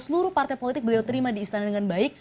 seluruh partai politik beliau terima di istana dengan baik